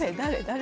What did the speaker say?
誰？